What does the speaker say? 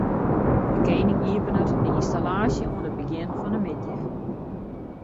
De kening iepenet de ynstallaasje oan it begjin fan de middei.